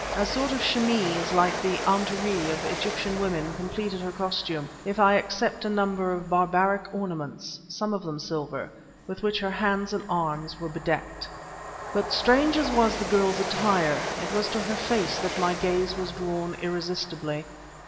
A sort of chemise like the 'anteree of Egyptian women completed her costume, if I except a number of barbaric ornaments, some of them of silver, with which her hands and arms were bedecked. But strange as was the girl's attire, it was to her face that my gaze was drawn irresistibly.